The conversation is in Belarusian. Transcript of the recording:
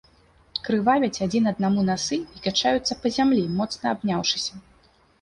Крывавяць адзін аднаму насы і качаюцца па зямлі, моцна абняўшыся.